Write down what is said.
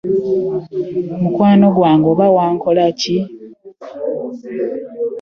Mukwano gwange oba wankola ki?